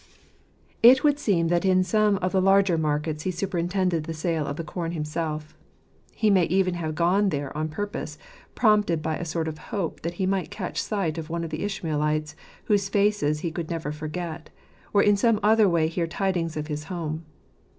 — It would seem that in some of the larger markets he superintended the sale of the corn himself. He may even have gone there on purpose, prompted by a sort of hope that he might catch sight of one of the Ishmaelites, whose faces he never could forget; or in some other way hear tidings of his home.